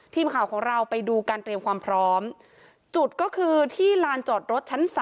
ทีมข่าวของเราไปดูการเตรียมความพร้อมจุดก็คือที่ลานจอดรถชั้น๓